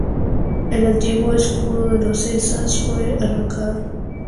El antiguo escudo de los Sessa fue arrancado.